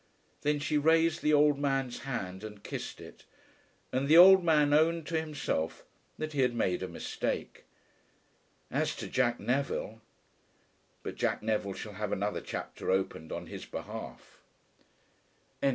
Then she raised the old man's hand and kissed it, and the old man owned to himself that he had made a mistake. As to Jack Neville . But Jack Neville shall have another chapter opened on his behalf. CHAPTER IV. JACK NEVILLE.